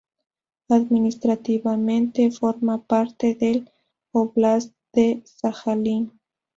Administrativamente, forma parte del óblast de Sajalín.